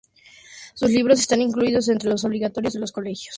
Sus libros están incluidos entre los obligatorios en los colegios salvadoreños.